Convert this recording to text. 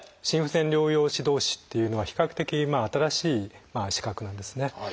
心不全療養指導士っていうのは比較的新しい資格なんですね。